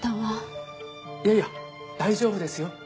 いやいや大丈夫ですよ。